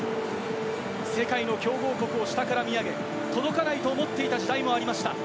世界の強豪国を下から見上げ届かないと思っていた時代もありました。